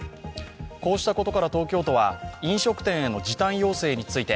こうしたことから東京都は、飲食店への時短要請について、